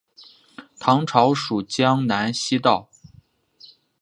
唐朝属江南西道。